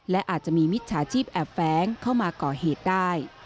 และอาจจะมีมิจฉาชีพแอบแฟ้งเข้ามาก่อเหตุได้